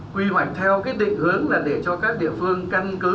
quy hoạch theo cái định hướng là để cho các địa phương căn cứ